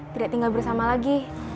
tidak tinggal bersama lagi